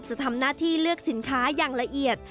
จะทำหน้าที่เลือกสินค้าอย่างละเอียด